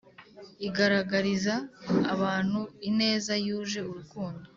igaragariza abantu ineza yuje urukundo